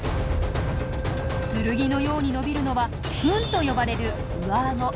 剣のように伸びるのは吻と呼ばれる上アゴ。